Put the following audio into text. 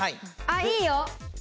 あいいよ！